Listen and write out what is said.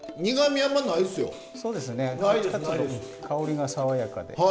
香りが爽やかで。